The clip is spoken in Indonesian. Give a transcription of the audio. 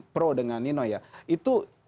pro dengan nino ya itu